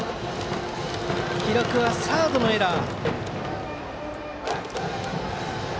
記録はサードのエラー。